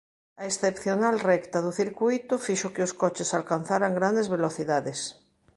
A excepcional recta do circuíto fixo que os coches alcanzaran grandes velocidades.